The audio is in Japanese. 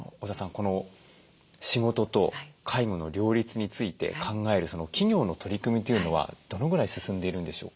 この仕事と介護の両立について考える企業の取り組みというのはどのぐらい進んでいるんでしょう？